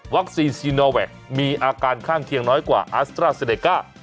ซีโนแวคมีอาการข้างเคียงน้อยกว่าอัสตราเซเดก้า